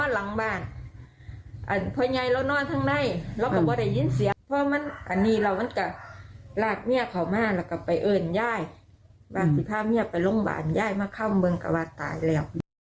หลักสิทธิ์พาเมียไปโรงพยาบาลย่ายมาเข้าเมืองกะวาดตายแล้ว